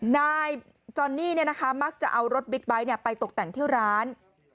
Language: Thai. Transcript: นายจอนนี่นะคะมักจะเอารถบิ๊กไบท์ไปตกแต่งที่ร้าน